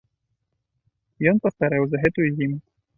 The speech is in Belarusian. Ён пастарэў за гэтую зіму.